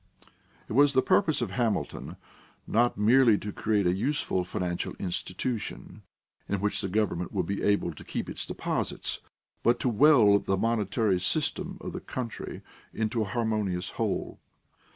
It was the purpose of Hamilton not merely to create a useful financial institution, in which the government would be able to keep its deposits, but to weld the monetary system of the country into an harmonious whole.